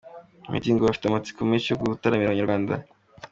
Meddy ngo afite amatsiko menshi yo gutaramira abanyarwanda.